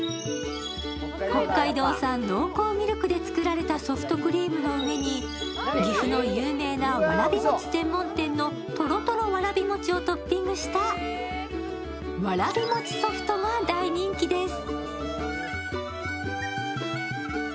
北海道産濃厚ミルクで作られたソフトクリームの上に岐阜の有名なわらび餅専門店のとろとろわらび餅をトッピングした、わらび餅ソフトが大人気です。